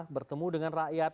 bertemu dengan rakyat